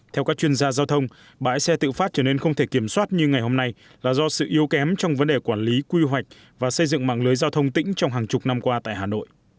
theo các chuyên gia giao thông bãi xe tự phát trở nên không thể kiểm soát như ngày hôm nay là do sự yếu kém trong vấn đề quản lý quy hoạch và xây dựng mạng lưới giao thông tỉnh trong hàng chục năm qua tại hà nội